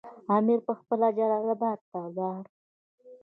امیر پخپله جلال اباد ته ولاړ.